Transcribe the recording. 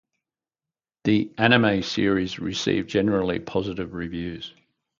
The anime series received generally positive reviews.